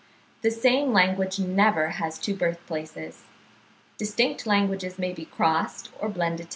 The same language never has two birth places. Distinct languages may be crossed or blended together.